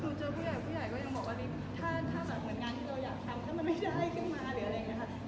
เจอผู้ใหญ่ผู้ใหญ่ก็ยังบอกว่าถ้าแบบเหมือนงานที่เราอยากทำถ้ามันไม่ใช่ให้ขึ้นมาหรืออะไรอย่างนี้ค่ะ